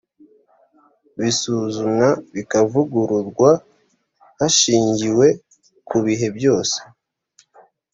bisuzumwa bikavugururwa hashingiwe ku bihe byose